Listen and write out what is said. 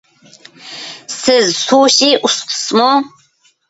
سىز سۇشى ئۇستىسىمۇ؟